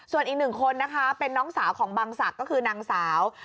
ส่วนอีกหนึ่งคนนะคะเป็นน้องสาวของบังศักดิ์ก็คือนางสาว